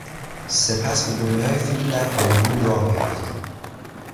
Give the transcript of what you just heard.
سپس به دنیای فیلم در هالیوود راه یافت.